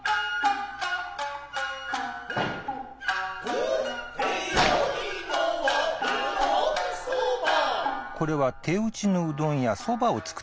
「打ってよいのはうどんそば」